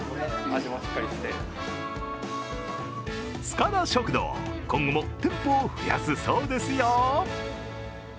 つかだ食堂、今後も店舗を増やすそうですよ。